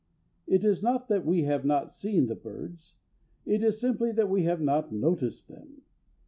It is not that we have not seen the birds. It is simply that we have not noticed them.